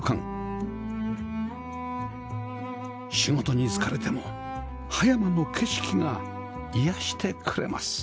仕事に疲れても葉山の景色が癒やしてくれます